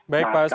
baik pak asbi